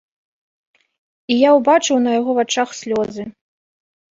І я ўбачыў на яго вачах слёзы.